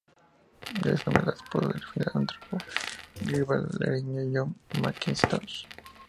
Debe su nombre a la esposa del filántropo gibraltareño John Mackintosh.